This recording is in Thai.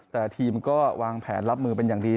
แต่ทีมก็วางแผนรับมือเป็นอย่างดี